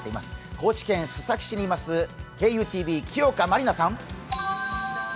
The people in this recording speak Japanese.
高知県須崎市にいるＫＵＴＶ木岡真理奈さん。